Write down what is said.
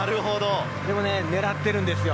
でも狙っているんですよ。